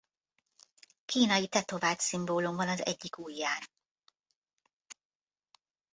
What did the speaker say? Kínai tetovált szimbólum van az egyik ujján.